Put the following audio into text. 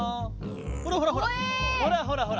ほらほらほらほらほらほら。